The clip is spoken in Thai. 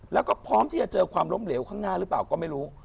แล้วก็พร้อมที่จะเจอความล้มเหลวข้างหน้าหรือเปล่าก็ไม่รู้